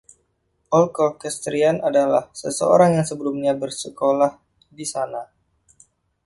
Old Colcestrian adalah seseorang yang sebelumnya bersekolah di sana.